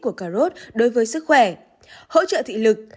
của cà rốt đối với sức khỏe hỗ trợ thị lực